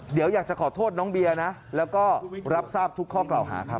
เดี๋ยวอยากจะขอโทษน้องเบียร์นะแล้วก็รับทราบทุกข้อกล่าวหาครับ